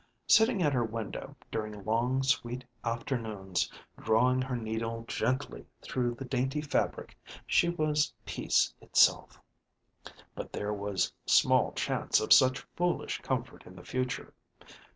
Sitting at her window during long sweet afternoons, drawing her needle gently through the dainty fabric, she was peace itself. But there was small chance of such foolish comfort in the future.